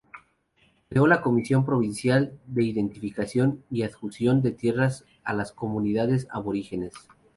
Creó la Comisión Provincial de Identificación y Adjudicación de Tierras a las Comunidades Aborígenes.